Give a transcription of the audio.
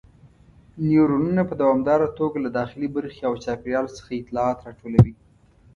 نیورونونه په دوامداره توګه له داخلي برخې او چاپیریال څخه اطلاعات راټولوي.